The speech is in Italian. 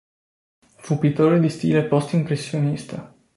Fu pittore di stile post-impressionista.